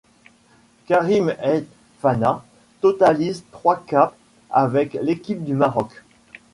Karim Aït-Fana totalise trois capes avec l'équipe du Maroc.